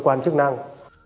cơ quan chức năng